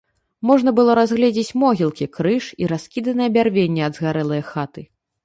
Можна было разгледзець могілкі, крыж і раскіданае бярвенне ад згарэлае хаты.